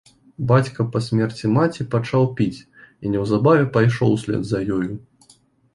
Бацька па смерці маці пачаў піць і неўзабаве пайшоў услед за ёю.